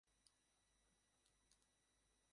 এই চলচ্চিত্র পরিচালনা করেন রাজ চক্রবর্তী।